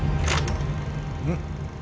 うん？